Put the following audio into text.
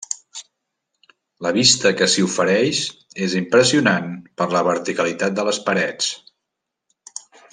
La vista que s'hi ofereix és impressionant per la verticalitat de les parets.